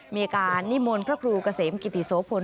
อำนวยการนิมนต์พระครูเกษมกิติโซพล